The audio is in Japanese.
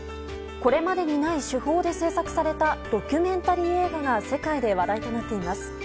これまでにない手法で制作されたドキュメンタリー映画が世界で話題となっています。